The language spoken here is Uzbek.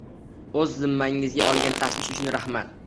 O'z zimmangizga olgan tashvish uchun, rahmat.